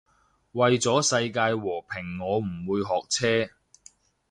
為咗世界和平我唔會學車